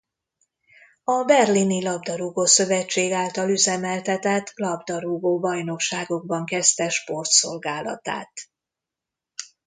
A Berlini Labdarúgó-szövetség által üzemeltetett labdarúgó bajnokságokban kezdte sportszolgálatát.